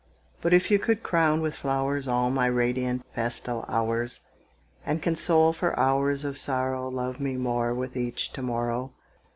But if you could crown with flowers All my radiant, festal hours, And console for hours of sorrow Love me more with each to morrow.